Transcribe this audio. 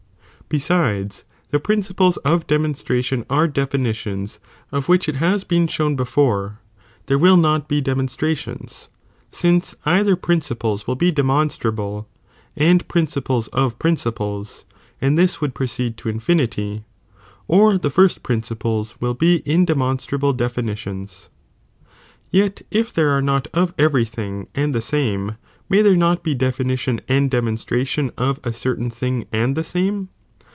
Besides, the principles of demonstration are definitions, of which it has been shown before, there will not be demonstrations, t since either principles will be demonstrable, and principles of principles, and this l^^"Xijii wolild proceed to infinity, or the first (principles) will be indemonstrable definitions. Yet if there are not of every thing and the 3, in f»ci. no. same, may there not be definition and demonstra 'J'5"fi"£Ji''* tion of a certain thing and the same